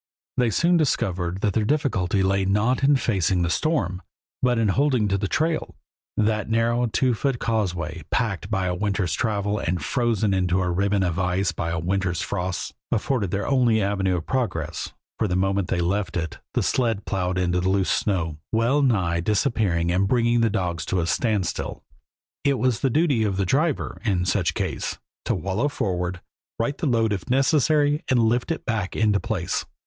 They soon discovered that their difficulty lay not in facing the storm, but in holding to the trail. That narrow, two foot causeway, packed by a winter's travel and frozen into a ribbon of ice by a winter's frosts, afforded their only avenue of progress, for the moment they left it the sled plowed into the loose snow, well nigh disappearing and bringing the dogs to a standstill. It was the duty of the driver, in such case, to wallow forward, right the load if necessary, and lift it back into place.